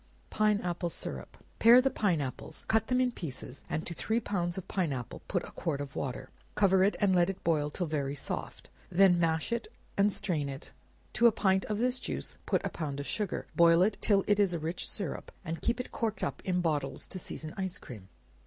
Pine Apple Syrup. Pare the pine apples, cut them in pieces, and to three pounds of pine apple put a quart of water; cover it and let it boil till very soft, when mash and strain it; to a pint of this juice put a pound of sugar, boil it till it is a rich syrup, and keep it corked up in bottles to season ice cream.